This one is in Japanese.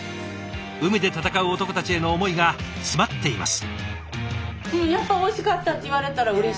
海で戦う男たちへの思いが詰まっています。